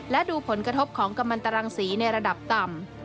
และดูผลกระทบของกำลังตรังสีในระดับต่ำ